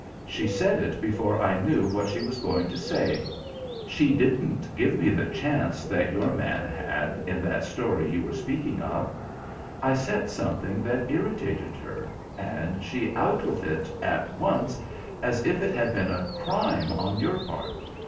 She said it before I knew what she was going to say. She didn't give me the chance that your man had in that story you were speaking of. I said something that irritated her and she out with it at once as if it had been a crime on your part.